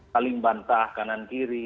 paling bantah kanan kiri